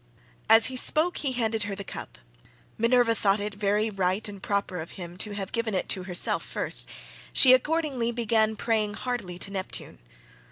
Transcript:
As he spoke he handed her the cup. Minerva thought it very right and proper of him to have given it to herself first;27 she accordingly began praying heartily to Neptune.